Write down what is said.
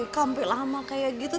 kamu beli lama kayak gitu